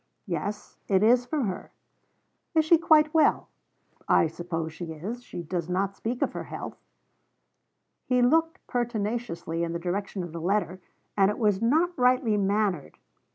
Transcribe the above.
'Yes; it is from her.' 'Is she quite well?' 'I suppose she is. She does not speak of her health.' He looked pertinaciously in the direction of the letter, and it was not rightly mannered.